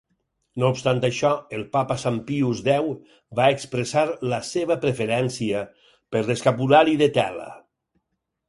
No obstant això, el Papa Sant Pius X va expressar la seva preferència per l'escapulari de tela.